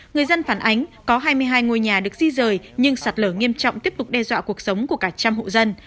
người dân phản ánh có hai mươi hai ngôi nhà được di rời nhưng sạt lở nghiêm trọng tiếp tục đe dọa cuộc sống của cả trăm hộ dân